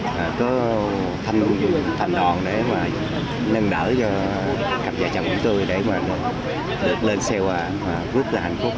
mình có thành đoàn để mà nâng đỡ cho cặp vợ chồng của tôi để mà được lên xe hoa và vứt ra hạnh phúc